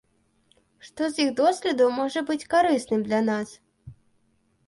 Што з іх досведу можа быць карысным для нас?